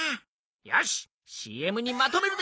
よしＣＭにまとめるで！